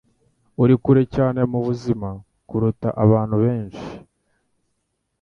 uri kure cyane mubuzima kuruta abantu benshi.” —Leonardo DiCaprio